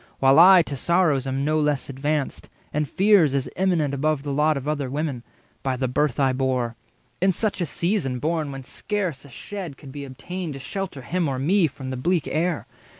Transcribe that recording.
While I to sorrows am no less advanced, And fears as eminent above the lot 70 Of other women, by the birth I bore: In such a season born, when scarce a shed Could be obtained to shelter him or me From the bleak air?